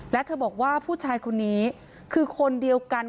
และเธอบอกว่าผู้ชายคนนี้คือคนเดียวกัน